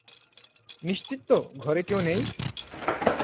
নিশ্চিত তো ঘরে কেউ নেই?